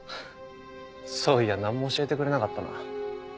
そういやなんも教えてくれなかったな。